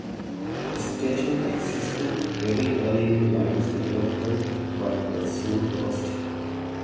A station existed very early in the lines development but was soon closed.